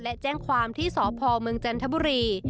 และแจ้งความที่สพเมืองจันทบุรี